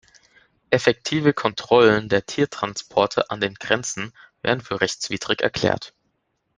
Effektive Kontrollen der Tiertransporte an den Grenzen werden für rechtswidrig erklärt.